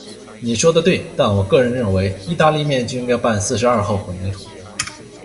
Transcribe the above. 你说得对，但我个人认为，意大利面就应该拌四十二号混凝土。